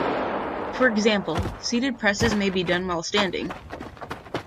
For example, seated presses may be done while standing.